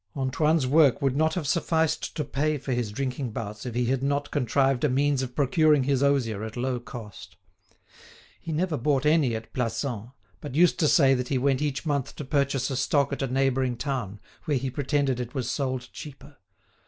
Antoine's work would not have sufficed to pay for his drinking bouts if he had not contrived a means of procuring his osier at low cost. He never bought any at Plassans, but used to say that he went each month to purchase a stock at a neighbouring town, where he pretended it was sold cheaper.